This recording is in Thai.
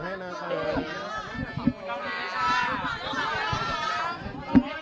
ไม่ได้หยัดแล้วนะ